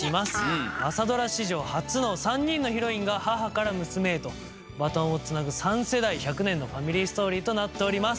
朝ドラ史上初の３人のヒロインが母から娘へとバトンをつなぐ３世代１００年のファミリーストーリーとなっております。